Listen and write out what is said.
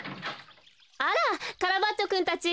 あらカラバッチョくんたち。